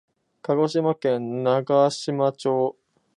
鹿児島県長島町